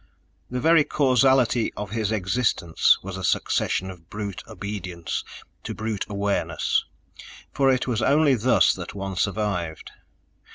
The very causality of his existence was a succession of brute obedience to brute awareness, for it was only thus that one survived.